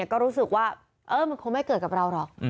ก็รู้สึกว่ามันคงไม่เกิดกับเราหรอก